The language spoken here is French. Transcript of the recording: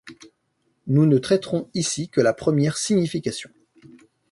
Nous ne traiterons ici que la première signification.